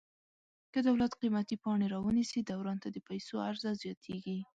که دولت قیمتي پاڼې را ونیسي دوران ته د پیسو عرضه زیاتیږي.